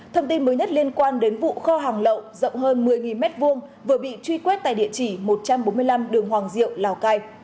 thông tin mới nhất liên quan đến vụ kho hàng lậu rộng hơn một mươi m hai vừa bị truy quét tại địa chỉ một trăm bốn mươi năm đường hoàng diệu lào cai